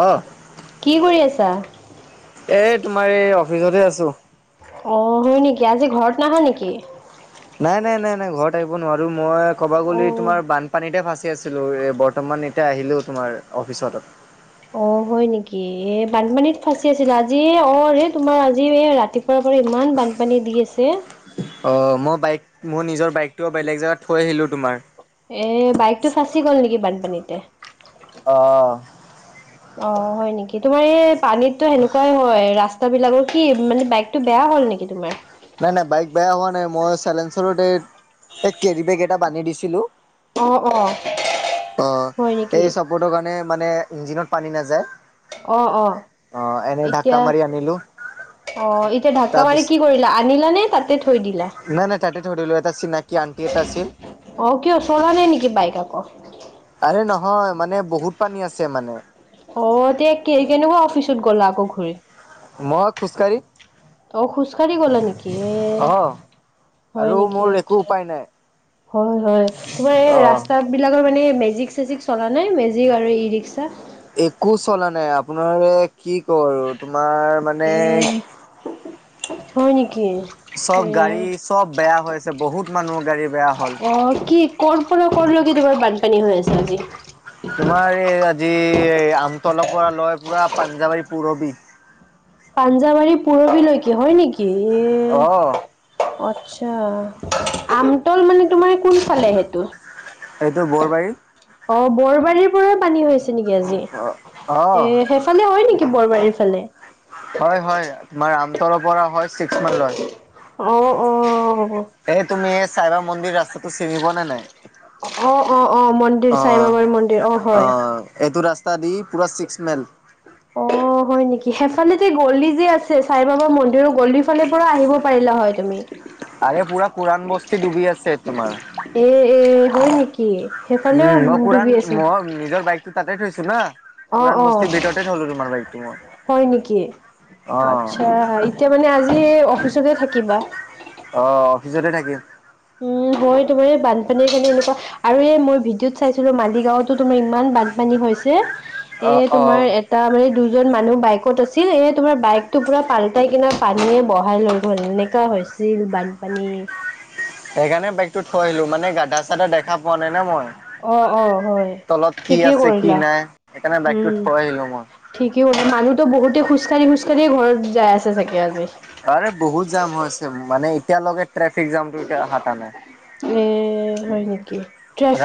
অ'। কি কৰি আছা? এই তোমাৰ এই, অফিচতে আছোঁ। অ', হয়, নিকি? আজি ঘৰত নাহা নিকি? নাই, নাই, নাই, নাই, ঘৰত আহিব নোৱাৰোঁ, মই ক'ব অ। গ'লি তোমাৰ বানপানীতে ফাঁচি আছিলোঁ এই বৰ্তমান এ- তিয়া আহিলোঁ তোমাৰ অফিচতত। অ', হয় নিকি? এ বানপানীত ফাচি আছিলা, আজি অ', ৰে তোমাৰ আজি এই ৰাতি পৰা, পৰা ইমান বানপানী দি আছে। অ', মই বাইক, মই নিজৰ বাইকটোও বেলেগ জেগাত থৈ আহিলোঁ তোমাৰ। এই বাইকটো ফাঁচি গ'ল নিকি বানপানীতে? অ' অ', হয়, নেকি? তোমাৰ এই পানীততো সেনেকুৱাই হয়, ৰাচ তা বিলাকৰ কি, মানে বাইকটো হ'ল, নেকি তোমাৰ? নাই, নাই, বাইক বেয়া হোৱা নাই মই চাইলেঞ্চাৰত এই, এই কেৰীবেগ এটা বান্ধি দিছিলোঁ। অ অ অ', হয় নেকি? এই চাপৰ্টৰ কাৰণে মানে, ইঞ্জিনত পানী নেযায়। অ', অ', এতিয়া মাৰি আনিলো। অ', এতিয়া ঢাককা তাৰপিছ মাৰি কি কৰি লা, আনিলা নে, তাতে থৈ দিলা? নাই, নাই, তাতে থৈ দিলোঁ, এটা চিনাকি আনটি এটা আছিল। অ', কিয়? চলা নাই নিকি বাইক আকৌ? আৰে নহয় মানে বহুত পানী আছে মানে। অ', এতিয়া কে কেনেকুৱা অফিচত গ'লা আকৌ ঘূৰি? মই খোজ‌কাঢ়ি। অ', খোজকাাঢ়ি গ'লা নিকি এই অহ হয়, আৰু নিকি? মোৰ একো আচ্ছা। উপায় নাই হয়, হয়, তোমাৰ এই অহ ৰাস্তা বিলাকৰ মানে, এই মেজিক চেজিক চলানে মেজিক আৰু ই ৰিক্সা? একো চলা নাই আপোনাৰ এই কি কওঁ আৰু তোমাৰ মানে এই হয়, নিকি? চব গাড়ী চব বেয়া হৈছে বহুত মানুহৰ গাড়ী বেয়া হ'ল অঁ কি কৰ' পৰা কৰলৈকে তোমাৰ বানপানী হৈ আছে আজি তোমাৰ এই আজি এই আমতলৰ পৰা লয় পুৰা পাঞ্জাৱাৰী পূৰৱী পাঞ্জাৱাৰী পূৰৱী লৈকে হয় নেকি অহ এ আতচ্ছা আমতল মানে তোমাৰ কোনফালে সেইটো এইটো বৰবাৰীত অ বৰবাৰীৰ পৰা পানী হৈ আছে নেকি আজি অ অহ এ সেইফালে হয় নেকি বৰবাৰীৰ ফালে হয় হয় তোমাৰ আমতলৰ পৰা হয় ছিক্স মাইল লৈ অ অ এই তুমি চাইবা মন্দিৰ ৰাস্তাটো চিনি পোৱা নে নাই অ অ অ মন্দিৰ চাই বাবাৰ মন্দিৰ অ হয় অ এইটো ৰাস্তা এটো ৰাস্তাৰ তাদি পূৰা ছিক্স মাইল অ হয় নেকি সেইফালে যে গলি যে আছে চাই বাবাৰ মন্দিৰ গলি ফালে পৰা আহিব পাৰিলা হয় তুমি আৰে পুৰা কোৰাণ বস্তি ডুবি আছে তোমাৰ এ এ হয় নেকি সেইফালেও উম, মই কোৰাণ ডুবি আছে মই নিজৰ বাইকতো তাতে থৈছো না অ', কোৰাণ অ', বস্তি ভিতৰতে থলোঁ তোমাৰ বাইকটো মই হয় নেকি অ আচ্ছা এতিয়া মানে আজি অফিচতে থাকিবা অ অফিচতে থাকিম উম হয় তোমাৰ এই বানপানীৰ খিনি এনেকুৱা আৰু এই মই ভিডিঅত চাইছিলো মালিগাঁওতো তোমাৰ ইমান বানপানী হৈছে এ অ', তোমাৰ অ', তাৰ মানে এই দুজন মানুহ বাইকত আছিল এ তোমাৰ বাইকটো পুৰা পালটাই কিনা পানীয়ে বহাই লৈ গ'ল এনে কা হৈছিল বানপানী [inaudible] সেইকাৰণে বাইকতটো থৈ আহিলো মানে গাদা চাধা দেখা পোৱা নাই না মই অ', অ', হয় তলত কি ঠিকেই আছে কি কৰিলা নাই সেইকাৰণে উম। বাইকটো থৈ আহিলো মই ঠিকেই হ'ব মানুহতো বহুতেই আজি খোজ কাঢ়ি খোজ কাঢ়িয়ে ঘৰত যাই আছে চাগে আজি আৰে বহুত জাম হৈছে মানে এতিয়ালৈকে ট্ৰেফিক জামটো এতিয়া হাতা নাই। এ হয় নেকি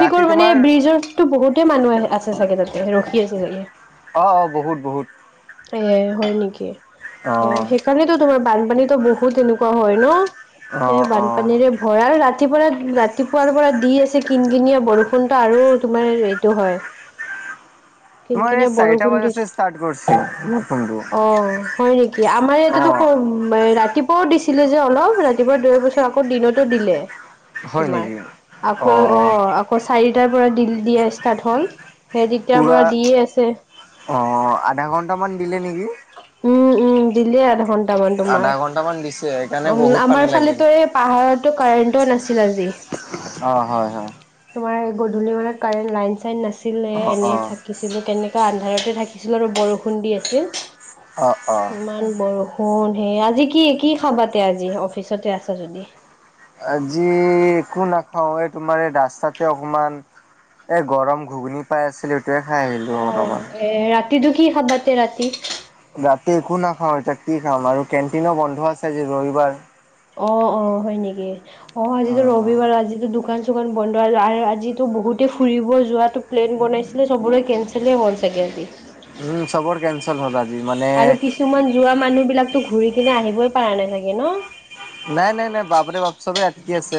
ৰাতি মানে তোমাৰ ব্ৰিজৰ টো বহুতে মানুহ আহ আছে চাগে তাতে ৰখি আছে চাগে অঁ অঁ বহুত বহুত এ হয় নেকি এ অ', সেইকাৰণেতো তোমাৰ বানপানীতো বহুত এনেকুৱা হয় ন সেই অ', অ'। বানপানীৰে হয় আৰু ৰাতিপুৱা ৰাতিপুৱাৰ পৰা দি আছে কিন কিনিয়া বৰষুণত টো আৰু তোমাৰ এইটো হয় কিন তোমাৰ এই কিনীয়া চাৰিটা বৰষুণ বজাৰ চে দিছে ষ্টাৰ্ট কৰিছে ফোনটো অ হয় নেকি আমাৰ ইয়াতেতো অ', ৰাতিপুৱাও দিছিলে যে অলপ ৰাতিপুৱা দুই পাছত আকৌ দিনতো দিলে হয় তোমাৰ নেকি? আকৌ অ চাৰিটাৰ পৰা দিয়া ষ্টাৰ্ট হ'ল সেই তেতিয়াৰ পুৰা পৰা দিয়ে আছে অ আধা ঘন্টামান দিলে নেকি উম উম দিলে আধা ঘণ্টা মান তামান আধা ঘন্টামান দিছে সেইকাৰণে তোমাৰ উম বহুত পানী আমাৰ লাগিল। ফালটো এই পাহাৰতো কাৰেণ্টো নাছিল আজি অ' হয় হয়। তোমাৰ গধূলি মানত কাৰেণ্ট লাইন চাইন নাছিলে, অ', এনে অ', থাকিছ। চিলোঁ কেনেকে আন্ধাৰতে থাকিছিলোঁ আৰু বৰষুণ দি আছিল, অ', অ'। ইমান বৰষুণ। ষুণ সে আজি কি কি খাবা তে আজি, অফিচতে আছা যদি? আজি একো নাখাও, এ তোমাৰ এই ৰাস্তাতে অকমান। এ গৰম ঘুগুনি পাই আছিলো। সেইটোৱে খাই আহিলো। অ অলপমান। এ ৰাতিটো কি খাবা তে ৰাতি? ৰাতি একো নাখাওঁ, এতিয়া কি খাম আৰু কেণ্টিনো বন্ধ আছে আজি ৰবিবাৰ। অ' অ' হয় নেকি, অ আজিটো ৰবিবাৰ উম, আজিটো দোকান চোকান বন্ধ আৰু আজিটো বহুতেই ফুৰিব যোৱাটো প্লেন বনাইছিলে, চবৰে কেনচেলেই মন চাগে আজি। উম' চবৰ কেনচেল হ'ল আজি মানে আৰু কিছুমান যোৱা মানুহ বিলাকতো ঘূৰি কিনে আহিবই পাৰা নাই চাগে ন? নাই নাই নাই বাপৰে বাপ চবেই আটকি আছে।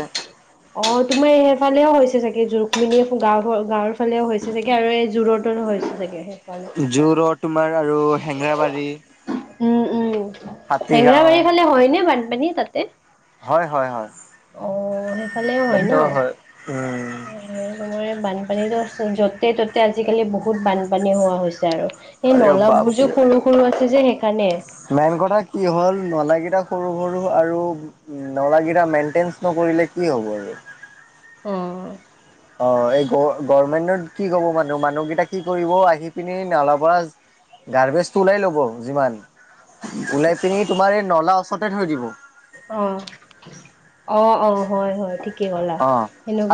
অ' তোমাৰ এইফালেও হৈছে চাগে, ৰুক্মিণী গাঁৱৰ গাঁৱৰ ফালেও হৈছে চাগে আৰু এই জোৰত হৈছে চাগে সেইফালে। জু ৰড তোমাৰ আৰু হেঙৰাবাৰী। হেঙৰাবাৰী ফালে হয় নে বানপানী তাতে? হয়, হয়, হয়। অ', সেইফালেও হয় ন? তাতো উম এ সময়ৰে বানপানীটো য'তে ত'তে আজিকালি বহুত বানপানী হোৱা হৈছে আৰু। এ আৰে নলাবোৰ যে বাপৰে সৰু সৰু আছে যে সেইকাৰণে। মেইন কথা কি হ'ল, নলাকেইটা সৰু সৰু আৰু নলাকেইটা মেইনটেইন্স নকৰিলে কি হ'ব আৰু। অ। অ' এই গ গৰ্মেন্টত কি কব মানুহ মানুহকেইটা কি কৰিব আহি পিনি নালা পৰা গাৰ্বেজটো ওলাই ল'ব যিমান, ওলাই পিনি তোমাৰ এই নলা ওচৰতে থৈ দিব। অ' অ' অ' হয় হয় ঠিকেই ক'লা অ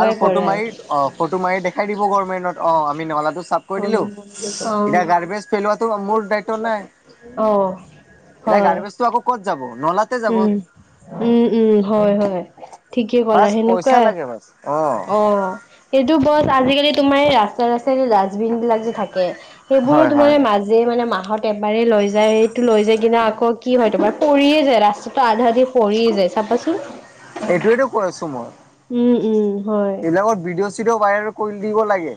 আৰু ফটো কৰে মাৰি আৰু। অ' ফটো মাৰি দেখাই দিব গভৰ্মেণ্টত, অ' আমি নলাটো চাফ কৰি দিলো এতিয়া অ' গাৰ্বেজ পেলোৱাটো মোৰ দায়িত্ব অ' নাই। অ'। এতিয়া হয়। গাৰ্বেজটো আকৌ ক'ত যাব নলাত। উম' উম' উম' হয়, হয় ঠিকেই কলা বাছ পইচা সেনেকুৱাই। লাগে অ' অ'সেইটো বছ আজিকালি তোমাৰ এই ৰাস্তা ৰাস্তাই ডাষ্টবিন বিলাক যে থাকে। সেইবোৰো হয় তোমাৰ হয়। মাজ যে মানে মাহত এবাৰ লৈ যায়, সিটো লৈ যায় কিনে আকৌ কি হয় তোমাৰ পৰিয়ে যায় লাচ আধা আধি পৰিয়ে যায় চাবাচোন। সেইটোৱেটো কৈ আছো মই। উম' উম' হয়। ভিডিঅ চিডিঅ' ভাইৰেল কৰি দিব লাগে।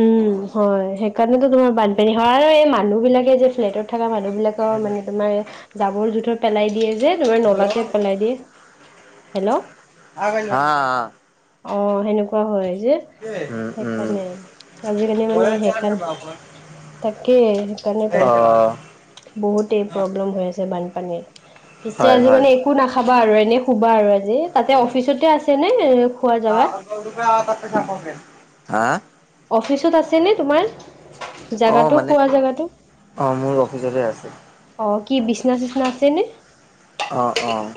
উম' হয়, সেইকাৰণেতো তোমাৰ বানপানী হয় আৰু এই মানুহ বিলাকে যে ফ্লেটত থকা মানুহবিলাকৰ মানে তোমাৰ জাবৰ জোথৰ পেলাই দিয়ে যে। লৈ নলাতে পেলাই দিয়ে, হেল্ল'? হা অঁ সেনেকুৱা হয় যে। উম উম। সেইকাৰণে আজিকালি মানে সেইকাৰ, তাকে অ', সেইকাৰনেটো। বহুতেই প্ৰব্লেম হৈ আছে বানপানীৰ। পিছে হয় আজি হয়। মানে একো নাখাবা আৰু এনেই শুবা আৰু আজি, তাতে অফিচতে আছেনে খোৱা জেগাত? হা? অফিচত আছেনে তোমাৰ? অ', জাগাটো মানে খোৱা জাগাটো? অ', মোৰ অফিচতে আছে অ', কি বিচনা চিচনা আছে নে? অ', অ'।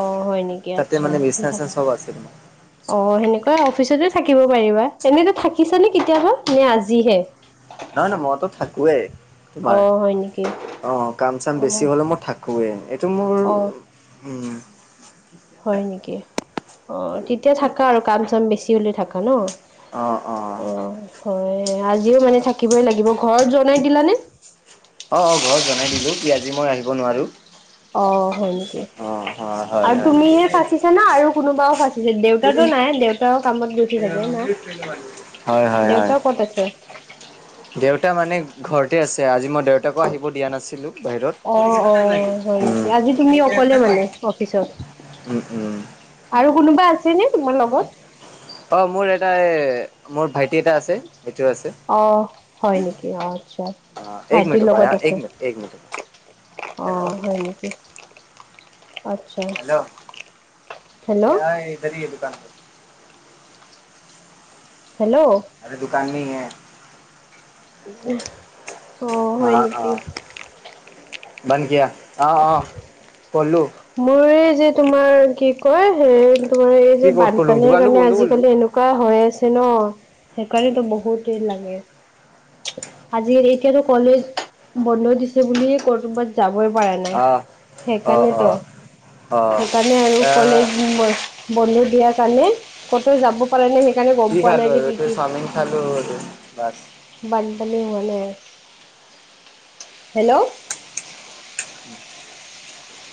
অ', হয় নেকি তাতে আচ্ছা মানে বিচনা ভাল। চিচনা চব আছে তোমাৰ অ', সেনেকুৱা অফিচতে থাকিব পাৰিবা, এনেটো থাকিছানে কেতিয়াবা নে আজিহে? নহয় নহয় মইতো থাকোৱেই। অ তোমাৰ হয় নেকি অ', কাম চাম অ বেছি হলে মই থাকোৱেই এইটো মোৰ অ উম। হয় নেকি? অ' তেতিয়া থাকা আৰু কাম চাম বেছি হ'লে থাকা ন? অ', হয় আজিও মানে থাকিবই লাগিব, ঘৰত জনাই দিলানে? অ', অ', ঘৰত জনাই দিলো কি আজি মই আহিব নোৱাৰো। অ', হয় নেকি অ হয় হয় আৰু তুমিহে ফাঁচিছা না আৰু কোনোবাও ফাচিছে দেউতাটো নাই দেউতাও কামত গৈছে ছাগে না, হয় হয় হয় হয় দেউতা ক'ত আছে। দেউতা মানে ঘৰতে আছে আজি মই দেউতা তাকো আহিব দিয়া নাছিলো অ', অ', হয় বাহিৰত, নেকি উম। আজি তুমি অকলে মানে অফিচত? উম উম। আৰু কোনোবা আছে নে তোমাৰ লগত? অ', মোৰ এটা মোৰ ভাইটি এটা আছে সেইটোও আছে। অ', হয় নেকি অ আচ্ছা। অ এক মিনিট ভাইটিৰ ৰবা লগত এক আছে। মিনিট এক মিনিট ৰবা হেল্ল' অ', হয় নেকি? আচ্ছা হেল্ল', হেল্ল' এয়া এই বাৰি এইটো কাম হেল্ল'। আৰে দোকান নেহি হে অ', হয় নেকি? [unintelligible] অ', অ', কলো। মোৰ এই যে তোমাৰ কি কয়, সে তোমাৰ এই কি যে ক'ত কৰলো বানপানীৰ দোকানটো কাৰণে বন্ধ কৰলো আজিকালি এনেকু হৈ আছে ন, সেইকাৰণেতো বহুত দেৰি লাগে। আজি এতিয়াতো কলেজ বন্ধ দিছে বুলিয়ে ক'ৰবাত যাবই পাৰা নাই আহ অ অ সেইকাৰণেটো। অ সেইকাৰণে আৰু এ কলেজ বন্ধ দিয়াৰ কাৰণে ক'তো যাব পাৰ নাই সেই সেইকাৰণে গম পোৱা নাই যে কি কি চালোঁ আৰু বাছ বানপানী হোৱা নাই, হেল্ল'।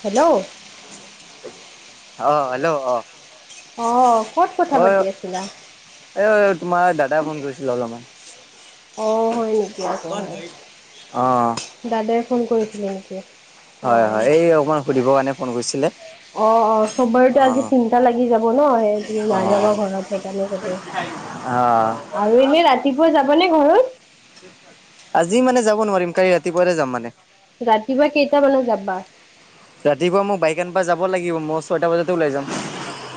হেল্ল'। অ', হেল্ল' অ'। অ', কত কথা অ পাতি আছিলা? এ তোমাৰ দাদাই ফোন কৰিছিলে অলপমান। অ', হয় নি? [unintelligible] অ'। দাদাই ফোন কৰিছিলে নেকি, হয় হয় অ'। এই অকমান সুধিবৰ কাৰণে ফোন কৰিছিলে অ অ চবৰেতো অ আজি চিন্তা লাগি যাব ন সেই। তুমি অ নাযাবা ঘৰত সেইকাৰণে চাগে অ আৰু এনে ৰাতিপুৱা যাবা নে ঘৰত। আজি মানে যাব নোৱাৰিম কালি ৰাতিপুৱাতে যাম মানে। ৰাতিপুৱা কেইটামানত যাবা? ৰাতিপুৱা মোক বাইকা আনবা যাব লাগিব মই ছয়টা বজাতে ওলাই যাম।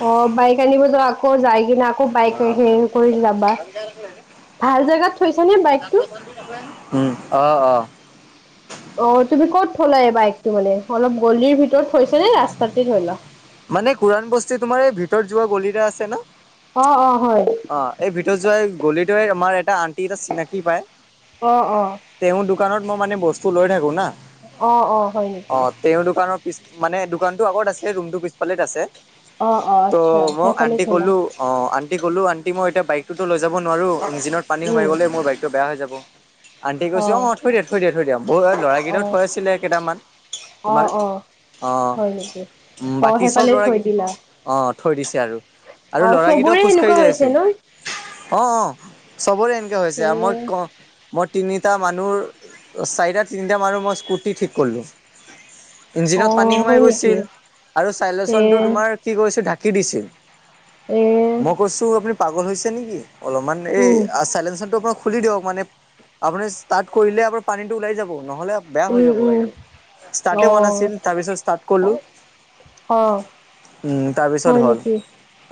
অ বাইক আনিব আকৌ যায় কি নে আকৌ বাইক আহি। কৰি যাবা যাম ভাল জাগাত থৈছা নে বাইকটো। উম অ অ। অ তুমি ক'ত থলা এই বাইকটো মানে অলপ গলিৰ ভিতৰত থৈছা‌ নে ৰাস্তাতে থলা। মানে কুৰান বস্তি তোমাৰ এই ভিতৰত যোৱা গলি এটা আছে ন। অ অ হয়। অ এই ভিতৰত যোৱা গলিটোৱেই আমাৰ এটা আন্টি এটা চিনাকি পায়। অ অ। তেওঁৰ দোকানত মই মানে বস্তু লৈ থাকো না। অ অ হয় নেকি? অ', তেওঁৰ দোকানৰ পিছ মানে দোকানতো আগত আছে ৰুম টো পিছফালে আছে। অ অ ত আচ্ছা মই সেইফালে আণ্টি থলা কলো। অ আন্তি কলো আন্তি মই এতিয়া বাইকটোটো লৈ যাব নোৱাৰো ইঞ্জিনত পানী সোমাই উম গ'লে মই বাইক টো বেয়া হৈ যাব আণ্টি কৈছো অ থৈ দিয়া থৈ দিয়া থৈ দিয়া বহুত ল'ৰাক কেইটা অ থৈ আছিলে কেইটামান। অ তোমাৰ অ অহ' হয় নেকি? উম অ বাকি সেইফালে চব লৰা থৈ দিলা। অ থৈ দিছে আৰু অ আৰু লৰাগিতাও চবৰে খোজকাঢ়ি সেনেকুৱা যাই হৈছে আছে। ন? অ অ চবৰে এনেকে এ হৈছে মই কহ মই তিনিটা মানুহ চাৰিটা তিনিটা মানুহ মই স্কুটি ঠিক কৰিলো। অ ইঞ্জিনত পানী সোমাই হয় নেকি? গৈছিল আৰু এ চাইলেচনটো তোমাৰ কি কৰিছে ঢাকি দিছিল। এ মই কৈছো আপুনি পাগল হৈছে নেকি অলপমান এই উম চাইলেনচাৰটো পৰা খুলি দিয়ক মানে আপুনি ষ্টাৰ্ট কৰিলে ইয়াৰ পৰা পানীটো ওলাই যাব। নহ'লে বেয়া হৈ উম যাব উম গাড়ীটো ষ্টাৰ্টে অ হোৱা নাছিল তাৰ পিছত ষ্টাৰ্ট কৰিলো। অ উম, তাৰপিছত হয় হ'ল নেকি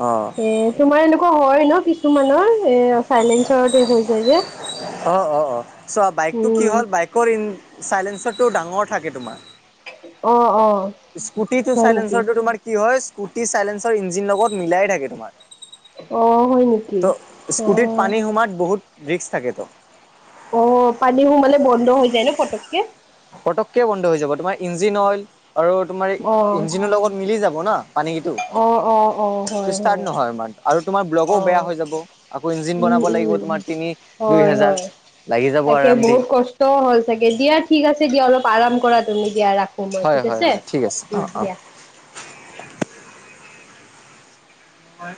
অ'। এ তোমাৰ এনেকুৱা হয় ন কিছুমানৰ এ চাইলেঞ্চৰতে হৈ যায় যে। অ অ অ চোৱা বাইকটো কি উম হ'ল বাইক কৰ ইন চাইলেনচৰটো ডাঙৰ থাকে তোমাৰ। অ অ। স্কুটিটো হয় নেকি? সাইলেনচাৰটো তোমাৰ কি হয় স্কুটি চাইলেঞ্চৰ ইঞ্জিন লগত মিলাই থাকে তোমাৰ। অ হয় নেকি? ত অ স্কুটিত পানী সোমাত বহুত ৰিক্স থাকে তো। অ পানী সোমালে বন্ধ হৈ যায় ন পটককে। পটককে বন্ধ হৈ যাব তোমাৰ ইঞ্জিন অইল আৰু তোমাৰ অ ইঞ্জিনৰৰ লগত মিলি যাব ন পানী অ অ অ হয় ষ্টাৰ্ট হয়। নহয় ইমান আৰু তোমাৰ ব্লগো বেয়া অ হৈ যাব। আকৌ ইঞ্জিন উম বনাব লাগিব উম তোমাৰ তিনি দুই হয় হাজাৰ লাগি যাব আৰাম দি। ত হ'ল চাগে দিয়া ঠিক আছে দিয়া অলপ আৰাম কৰা তুমি দিয়া ৰা খো ময় হয় ঠিক হয় আছে হয় ঠিক আছে উম অঁ দিয়া। হয়।